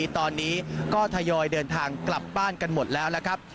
ตอนนี้ก็ทยอยเดินทางกลับบ้านกันหมดแล้วนะครับ